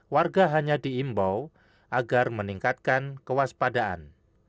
warga hanya diimbau agar meningkatkan kewaspadaan